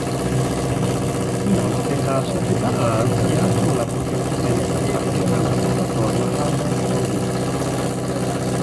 Inoltre, la società ha ampliato la propria presenza grazie alla piattaforma iHeartRadio.